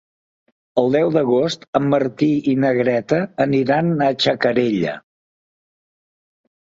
El deu d'agost en Martí i na Greta aniran a Xacarella.